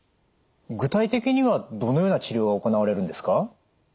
具体的にはどのような治療が行われるんですか？